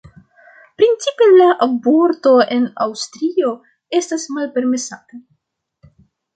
Principe la aborto en Aŭstrio estas malpermesata.